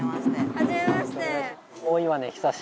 はじめまして。